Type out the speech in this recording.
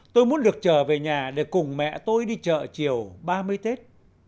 tôi muốn được trở về nhà để cùng mẹ tôi đi chợ chiều ba mươi tết